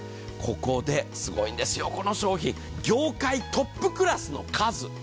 ここで、すごいんですよ、この商品、業界トップクラスの数。